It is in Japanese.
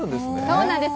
そうなんです。